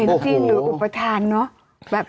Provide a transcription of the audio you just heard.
จริงหรืออุปทานเนอะ